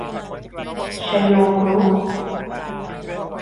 ชโย กรุ๊ป